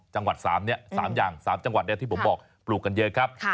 จังหวัด๓อย่าง๓จังหวัดที่ผมบอกปลูกกันเยอะครับ